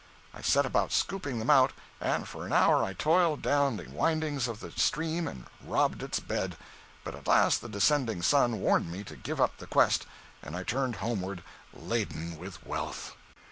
I set about scooping them out, and for an hour I toiled down the windings of the stream and robbed its bed. But at last the descending sun warned me to give up the quest, and I turned homeward laden with wealth.